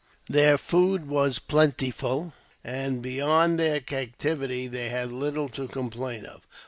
Their food was plentiful and, beyond their captivity, they had little to complain of.